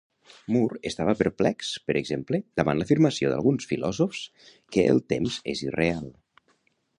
Moore estava perplex, per exemple, davant l'afirmació d'alguns filòsofs que el temps és irreal.